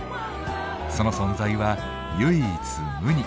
その存在は唯一無二。